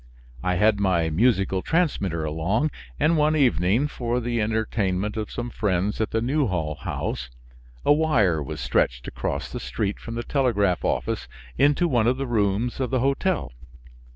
I had my musical transmitter along, and one evening, for the entertainment of some friends at the Newhall House, a wire was stretched across the street from the telegraph office into one of the rooms of the hotel.